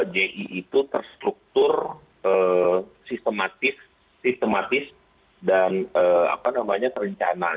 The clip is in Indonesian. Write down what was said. ji itu terstruktur sistematis dan apa namanya terencana